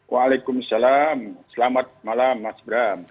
waalaikumsalam selamat malam mas bram